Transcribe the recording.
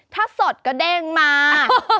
ถ้าสดก็เด้งมา